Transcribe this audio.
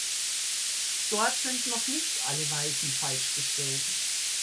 Dort sind noch nicht alle Weichen falsch gestellt.